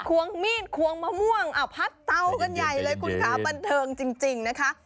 ควงมีดควงมะม่วงพัดเตากันใหญ่เลยคุณค่ะบันเทิงจริงนะคะ